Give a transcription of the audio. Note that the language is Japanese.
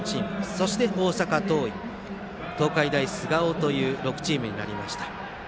そして大阪桐蔭、東海大菅生の６チームになりました。